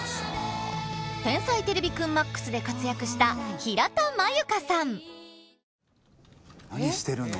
「天才てれびくんＭＡＸ」で活躍した何してるの？